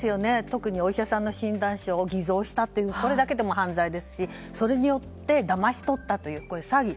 特にお医者さんの診断書を偽造したということだけでも犯罪ですし、それによってだまし取ったという詐欺。